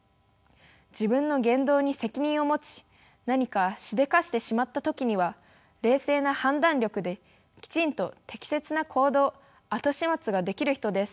自分の言動に責任を持ち何かしでかしてしまった時には冷静な判断力できちんと適切な行動後始末ができる人です。